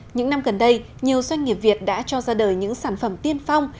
những năm gần đây nhiều doanh nghiệp việt đã cho ra đời những sản phẩm tiên phong